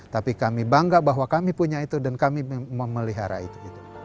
tapi kami bangga bahwa kami punya itu dan kami memelihara itu